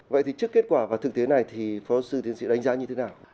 vậy thì trước kết quả và thực tế này thì phó sư tiến sĩ đánh giá như thế nào